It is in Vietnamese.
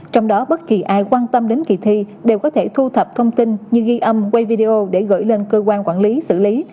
trong đó bất kỳ ai quan tâm đến kỳ thi đều có thể thu thập thông tin như ghi âm quay video để gửi lên cơ quan quản lý xử lý